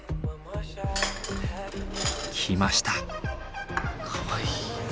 来ました。